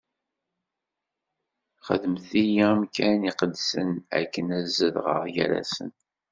Xedmet-iyi amkan iqedsen akken ad zedɣeɣ gar-asen.